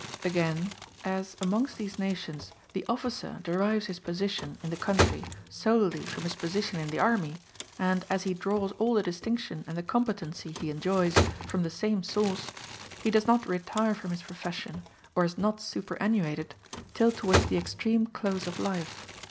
Again, as amongst these nations the officer derives his position in the country solely from his position in the army, and as he draws all the distinction and the competency he enjoys from the same source, he does not retire from his profession, or is not super annuated, till towards the extreme close of life.